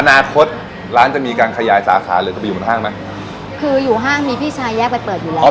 อนาคตร้านจะมีการขยายสาขาหรือจะไปอยู่บนห้างไหมคืออยู่ห้างมีพี่ชายแยกไปเปิดอยู่แล้ว